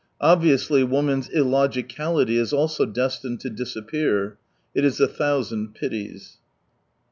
Obviously woman's illogicality is also destined to disappear. It is a thou sand pities.